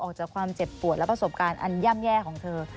ออกจากความเจ็บปวดและประสบการณ์อันย่ำแย่ของเธอ